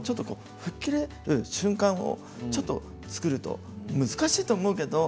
吹っ切れる瞬間を作る難しいと思うけど。